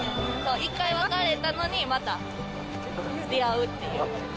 １回別れたのに、また出会うっていう。